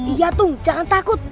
iya tung jangan takut